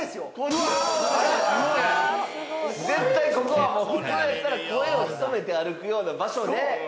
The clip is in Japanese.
絶対ここは普通やったら声を潜めて歩くような場所で。